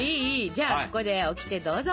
じゃあここでオキテどうぞ！